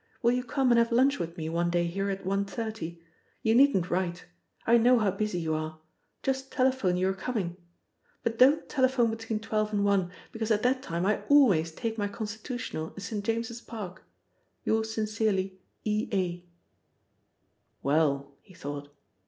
Will you come and have lunch with me one day here at 1.30? You needn't write. I know how busy you are. Just telephone you are coming. But don't telephone between 12 and 1, because at that time I always take my constitutional in St. James's Park. Yours sincerely, E. A. "Well," he thought.